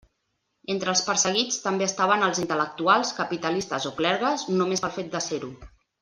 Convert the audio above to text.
Entre els perseguits també estaven els intel·lectuals, capitalistes o clergues, només pel fet de ser-ho.